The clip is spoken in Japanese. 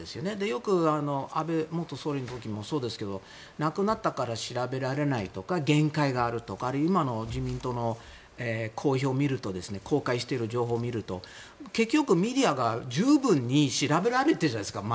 よく安倍元総理の時もそうですけど亡くなったから調べられないとか限界があるとか今の自民党の公表を見ると公開している情報を見ると結局、メディアが、十分に調べられてるじゃないですか。